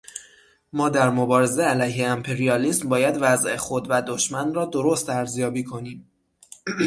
ما در مبارزهٔ علیه امپریالیسم باید وضع خود و دشمن را درست ارزیابی کنیم.